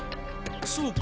そうか。